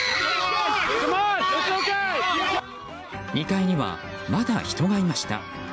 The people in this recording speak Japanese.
２階にはまだ人がいました。